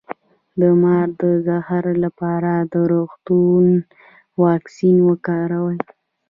د مار د زهر لپاره د روغتون واکسین وکاروئ